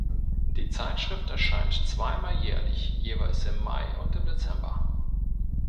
Die Zeitschrift erscheint zweimal jährlich, jeweils im Mai und im Dezember.